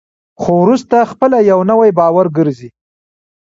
خو وروسته خپله یو نوی باور ګرځي.